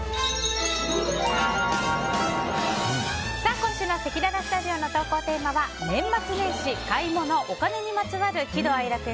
今週のせきららスタジオの投稿テーマは年末年始買い物＆お金にまつわる喜怒哀楽。